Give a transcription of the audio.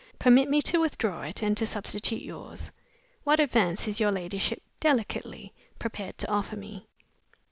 Permit me to withdraw it, and to substitute yours. What advance is your ladyship (delicately) prepared to offer me?"